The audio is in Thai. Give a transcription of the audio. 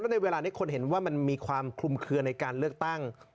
ในเวลานี้คนเห็นว่ามันมีความคลุมเคลือในการเลือกตั้ง